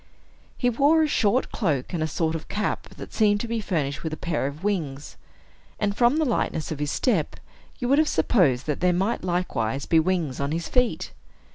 He wore a short cloak and a sort of cap that seemed to be furnished with a pair of wings; and from the lightness of his step, you would have supposed that there might likewise be wings on his feet.